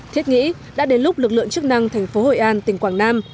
thiết nghĩ đã đến lúc lực lượng chức năng thành phố hội an tỉnh quảng nam